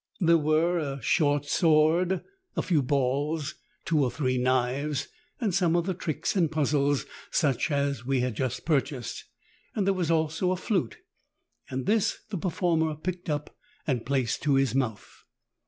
There were a short sword, a few balls, two or three knives, and some of the tricks and puzzles such as we had just purchased; there was also a flute, and this the performer picked up and placed to his mouth.